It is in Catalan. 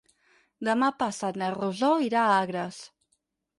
Demà passat na Rosó irà a Agres.